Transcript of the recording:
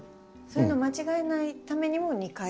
そういうのを間違えないためにも２回？